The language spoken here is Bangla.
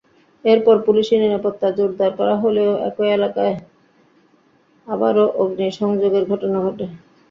এরপর পুলিশি নিরাপত্তা জোরদার করা হলেও একই এলাকায় আবারও অগ্নিসংযোগের ঘটনা ঘটে।